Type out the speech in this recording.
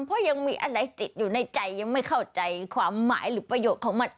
เพราะยังมีอะไรติดอยู่ในใจยังไม่เข้าใจความหมายหรือประโยชน์ของมัน